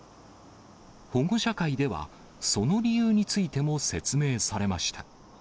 保護者会ではその理由についても説明されました。